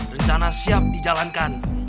rencana siap dijalankan